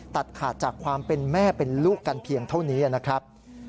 ตัดขาดจากความเป็นแม่เป็นลูกกันเพียงเท่านี้นะครับ